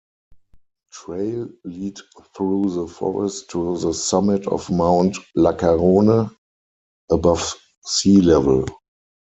Trail lead through the forest to the summit of Mount Lacerone, above sea level.